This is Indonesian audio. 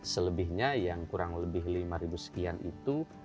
selebihnya yang kurang lebih lima ribu sekian itu